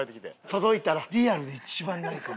届いたらリアル一番なんか。